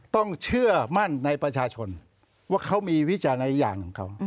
ต้องเชื่อมั่นในประชาชนว่าเขามีวิจารณญาณของเขา